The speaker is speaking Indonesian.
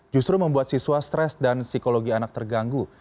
justru membuat siswa stres dan psikologi anak terganggu